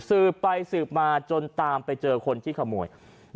สืบไปสืบมาจนตามไปเจอคนที่ขโมย